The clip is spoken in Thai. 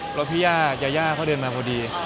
เพราะพี่ย่ายาย่าเขาเดินมาพอดี